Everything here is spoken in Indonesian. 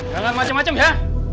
jangan macem macem ya